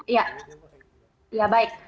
iya ya baik